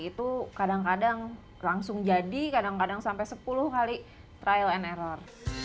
itu kadang kadang langsung jadi kadang kadang sampai sepuluh kali trial and error